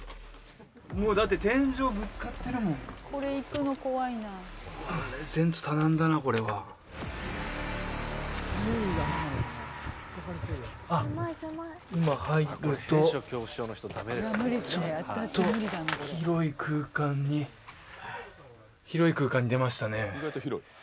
もうだって天井ぶつかってるもん前途多難だなこれはあっ今入るとちょっと広い空間に広い空間に出ましたね